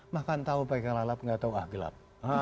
makan tau pakai lalap nggak tau ah gelap